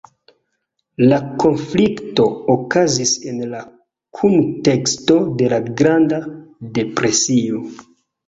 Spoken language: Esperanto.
La konflikto okazis en la kunteksto de la Granda Depresio.